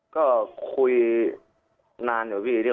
ก็คุยนานเหรอพี่